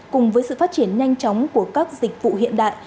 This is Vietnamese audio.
cùng với sự phát triển nhanh chóng của các dịch vụ hiện đại